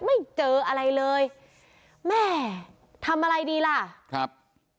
ไม่เจออะไรเลยแม่ทำอะไรดีล่ะครับ